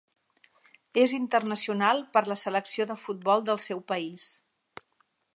És internacional per la selecció de futbol del seu país.